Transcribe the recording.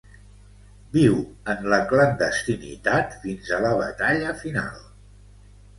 Viu en la clandestinitat fins a la batalla final.